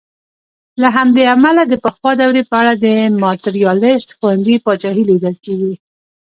له همدې امله د پخوا دورې په اړه د ماتریالیسټ ښوونځي پاچاهي لیدل کېږي.